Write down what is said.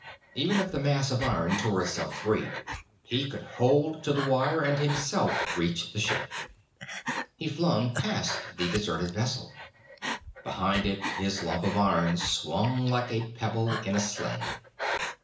Even if the mass of iron tore itself free, he could hold to the wire, and himself reach the ship. He flung past the deserted vessel, behind it, his lump of iron swung like a pebble in a sling.